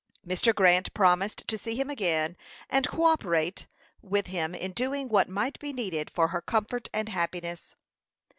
Mr. Grant promised to see him again, and coöperate with him in doing what might be needed for her comfort and happiness.